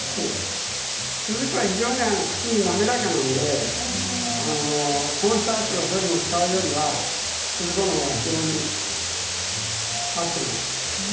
くず粉は非常に口に滑らかなのでコーンスターチとかそういうのを使うよりはくず粉のほうが非常に合っています。